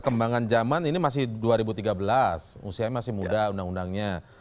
kembangan zaman ini masih dua ribu tiga belas usianya masih muda undang undangnya